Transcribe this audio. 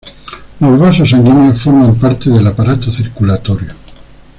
Los vasos sanguíneos forman parte del aparato circulatorio.